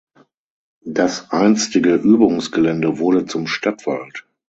Das einstige Übungsgelände wurde zum Stadtwald.